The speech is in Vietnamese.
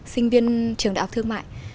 sinh viên trường đại học thương mại